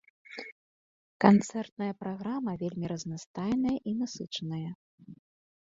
Канцэртная праграма вельмі разнастайная і насычаная.